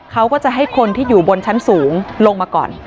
เขาก็จะให้คนที่อยู่บนชั้นสูงลงมาก่อน